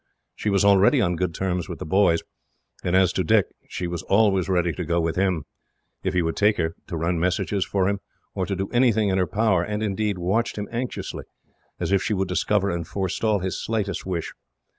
She was already on good terms with the boys; and as to Dick, she was always ready to go out with him, if he would take her, to run messages for him, or to do anything in her power; and, indeed, watched him anxiously, as if she would discover and forestall his slightest wish.